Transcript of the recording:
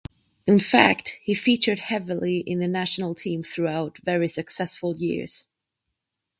In fact, he featured heavily in the national team throughout very successful years.